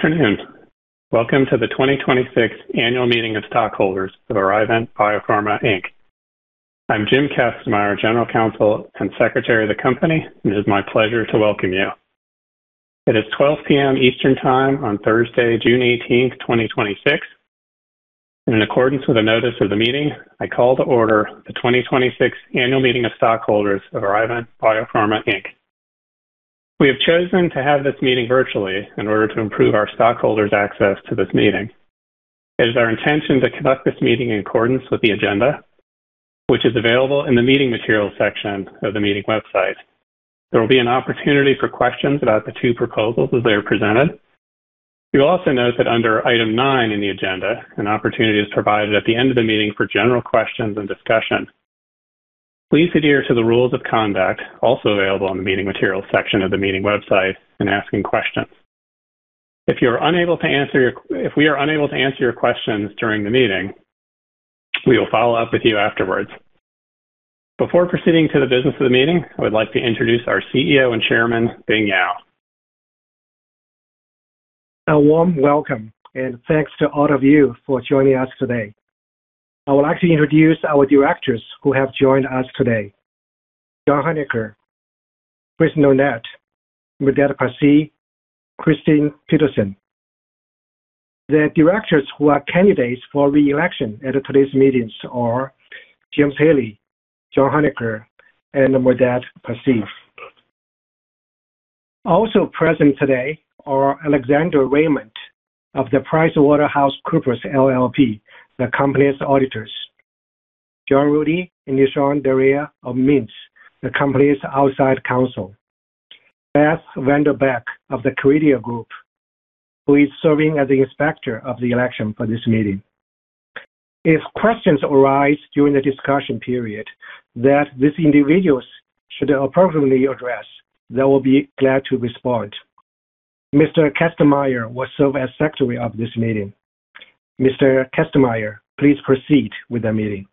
Good afternoon. Welcome to the 2026 Annual Meeting of Stockholders of ArriVent BioPharma, Inc. I'm Jim Kastenmayer, General Counsel and Secretary of the company, and it is my pleasure to welcome you. It is 12:00 P.M. Eastern Time on Thursday, June 18, 2026. In accordance with the notice of the meeting, I call to order the 2026 Annual Meeting of Stockholders of ArriVent BioPharma, Inc. We have chosen to have this meeting virtually in order to improve our stockholders' access to this meeting. It is our intention to conduct this meeting in accordance with the agenda, which is available in the Meeting Materials section of the meeting website. There will be an opportunity for questions about the two proposals as they are presented. You will also note that under Item nine in the agenda, an opportunity is provided at the end of the meeting for general questions and discussion. Please hider to the rules of conduct, also available on the meeting materials section of the meeting website and asking question. If we are unable to answer your question during the meeting, we wilI follow with you afterwards. Before proceeding to the business of meeting, I would like to introduce our CEO and Chairman, Bing Yao. A warm welcome, thanks to all of you for joining us today. I would like to introduce our directors who have joined us today. John Hohneker, Chris Nolet, Merdad Parsey, Kristine Peterson. The directors who are candidates for re-election at today's meetings are James Haley, John Hohneker, and Merdad Parsey. Also present today are Alexander Raymond of PricewaterhouseCoopers LLP, the company's auditors. John Rudy and Nishant Dharia of Mintz, the company's outside counsel. Beth Vanderbeck of the Caredio Group, who is serving as the inspector of the election for this meeting. If questions arise during the discussion period that these individuals should appropriately address, they will be glad to respond. Mr. Kastenmayer will serve as Secretary of this meeting. Mr. Kastenmayer, please proceed with the meeting.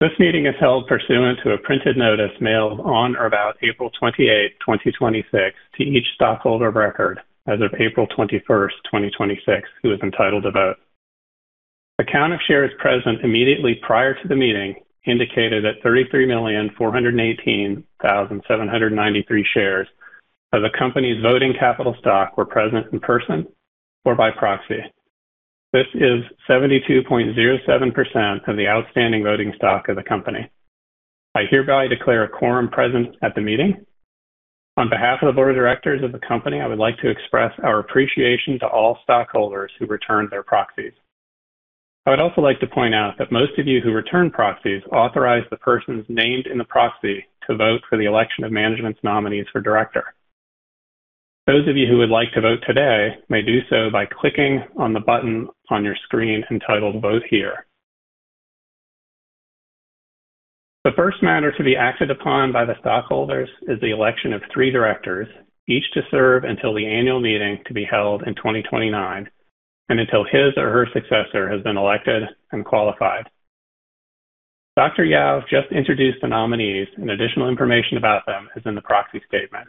This meeting is held pursuant to a printed notice mailed on or about April 28, 2026, to each stockholder of record as of April 21st, 2026, who is entitled to vote. A count of shares present immediately prior to the meeting indicated that 33,418,793 shares of the company's voting capital stock were present in person or by proxy. This is 72.07% of the outstanding voting stock of the company. I hereby declare a quorum present at the meeting. On behalf of the board of directors of the company, I would like to express our appreciation to all stockholders who returned their proxies. I would also like to point out that most of you who returned proxies authorized the persons named in the proxy to vote for the election of management's nominees for director. Those of you who would like to vote today may do so by clicking on the button on your screen entitled Vote Here. The first matter to be acted upon by the stockholders is the election of three directors, each to serve until the annual meeting to be held in 2029 and until his or her successor has been elected and qualified. Dr. Yao just introduced the nominees and additional information about them is in the proxy statement.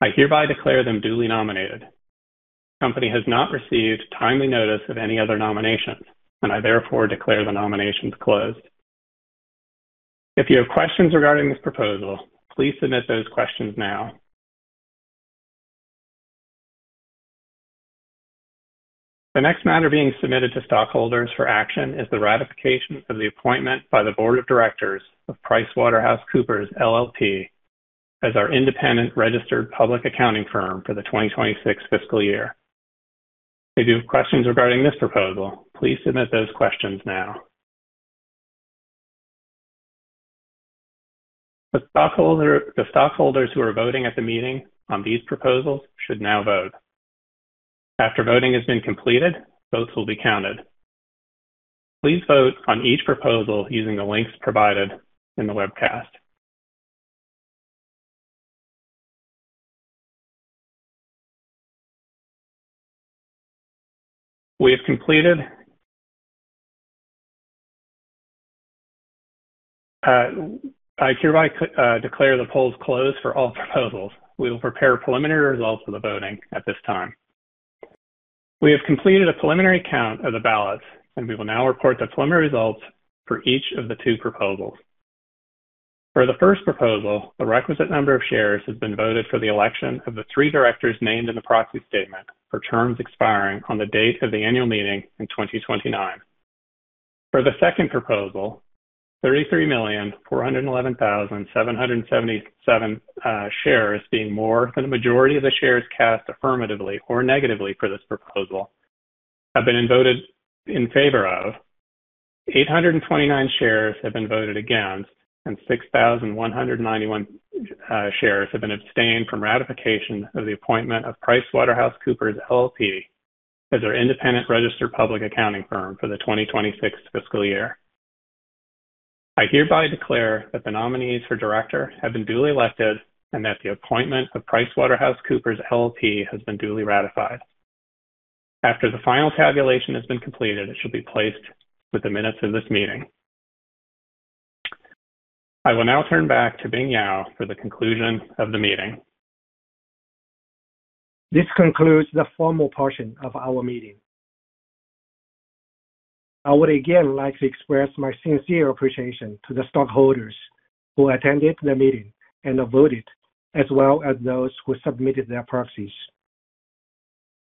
I hereby declare them duly nominated. The company has not received timely notice of any other nominations. I therefore declare the nominations closed. If you have questions regarding this proposal, please submit those questions now. The next matter being submitted to stockholders for action is the ratification of the appointment by the board of directors of PricewaterhouseCoopers LLP as our independent registered public accounting firm for the 2026 fiscal year. If you have questions regarding this proposal, please submit those questions now. The stockholders who are voting at the meeting on these proposals should now vote. After voting has been completed, votes will be counted. Please vote on each proposal using the links provided in the webcast. We have completed. I hereby declare the polls closed for all proposals. We will prepare preliminary results of the voting at this time. We have completed a preliminary count of the ballots. We will now report the preliminary results for each of the two proposals. For the first proposal, the requisite number of shares has been voted for the election of the three directors named in the proxy statement for terms expiring on the date of the annual meeting in 2029. For the second proposal, 33,411,777 shares, being more than the majority of the shares cast affirmatively or negatively for this proposal, have been voted in favor of. 829 shares have been voted against, and 6,191 shares have been abstained from ratification of the appointment of PricewaterhouseCoopers LLP as our independent registered public accounting firm for the 2026 fiscal year. I hereby declare that the nominees for director have been duly elected and that the appointment of PricewaterhouseCoopers LLP has been duly ratified. After the final tabulation has been completed, it should be placed with the minutes of this meeting. I will now turn back to Bing Yao for the conclusion of the meeting. This concludes the formal portion of our meeting. I would again like to express my sincere appreciation to the stockholders who attended the meeting and have voted, as well as those who submitted their proxies.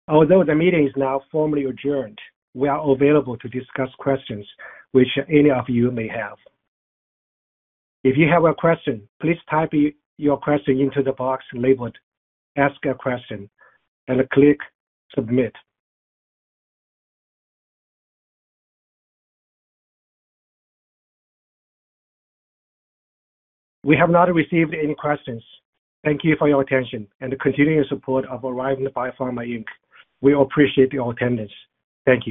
Although the meeting is now formally adjourned, we are available to discuss questions which any of you may have. If you have a question, please type your question into the box labeled Ask a Question and click Submit. We have not received any questions. Thank you for your attention and the continuing support of ArriVent BioPharma, Inc. We appreciate your attendance. Thank you